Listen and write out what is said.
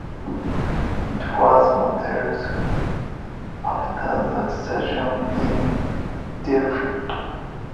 It was modeled after the stadium in Delphi.